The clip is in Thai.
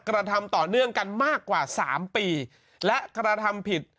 กราธรรมต่อเนื้องกันมากกว่า๓ปีและกราธรรมผิด